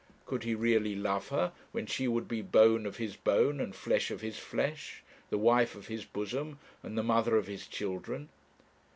Could he really love her when she would be bone of his bone and flesh of his flesh, the wife of his bosom and the mother of his children?